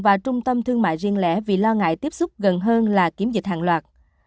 và trung tâm thương mại riêng lẻ vì lo ngại tiếp xúc gần hơn là kiểm dịch hàng loạt